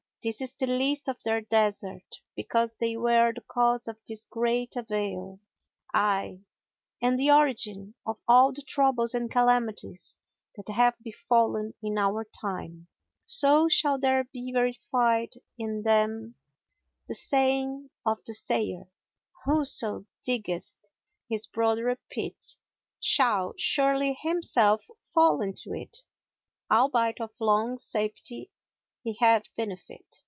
This is the least of their desert, because they were the cause of this great avail, ay, and the origin of all the troubles and calamities that have befallen in our time; so shall there be verified in them the saying of the Sayer, 'Whoso diggeth his brother a pit shall surely himself fall into it, albeit of long safety he have benefit.'"